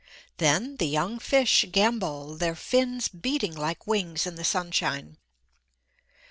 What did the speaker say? Then the young fish gambol, their fins beating like wings in the sunshine.